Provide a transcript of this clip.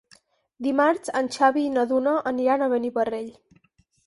Dimarts en Xavi i na Duna iran a Beniparrell.